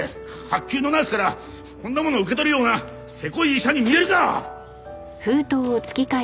薄給のナースからこんなものを受け取るようなせこい医者に見えるか！